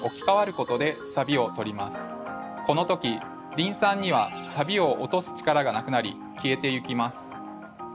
この時リン酸にはサビを落とす力がなくなり消えていきます。